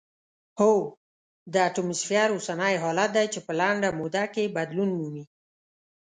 هوا د اتموسفیر اوسنی حالت دی چې په لنډه موده کې بدلون مومي.